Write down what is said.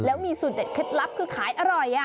แล้วมีสูตรเด็ดเคล็ดลับคือขายอร่อย